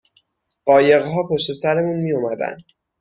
قایقها پشت سرمون میاومدن